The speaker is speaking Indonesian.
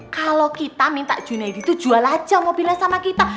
kalau kita minta junaidi itu jual aja mobilnya sama kita